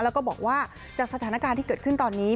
แล้วก็บอกว่าจากสถานการณ์ที่เกิดขึ้นตอนนี้